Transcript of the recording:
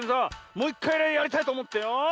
もういっかいやりたいとおもってよ。